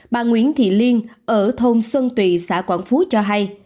bà nguyễn thị liên ở thôn xuân tùy xã quảng phú cho hay